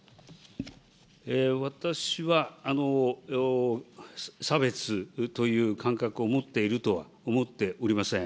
私は差別という感覚を持っていると思っておりません。